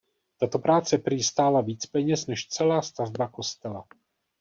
Tato práce prý stála víc peněz než celá stavba kostela.